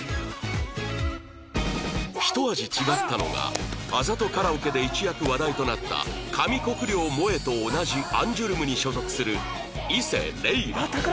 ひと味違ったのがあざとカラオケで一躍話題となった上國料萌衣と同じアンジュルムに所属する伊勢鈴蘭